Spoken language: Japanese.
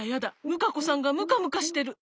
ムカコさんがムカムカしてる。